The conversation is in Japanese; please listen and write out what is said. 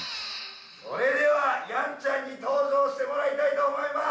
それではやんちゃんに登場してもらいたいと思います！